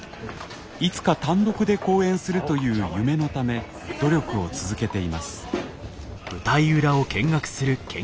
いつか単独で公演するという夢のため努力を続けています。